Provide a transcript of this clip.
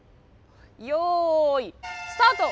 よいスタート！